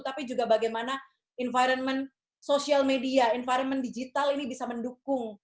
tapi juga bagaimana environment social media environment digital ini bisa mendukung